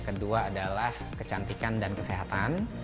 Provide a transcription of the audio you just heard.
kedua adalah kecantikan dan kesehatan